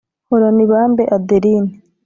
Horanibambe Adeline